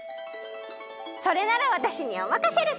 それならわたしにおまかシェル。